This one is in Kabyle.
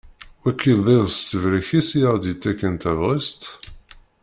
Wakil d iḍ s tebrek-is i aɣ-d-yettakken tabɣest?